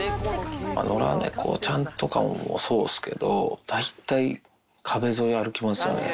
野良猫ちゃんとかもそうですけど、大体壁沿い歩きますよね。